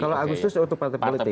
kalau agustus untuk partai politik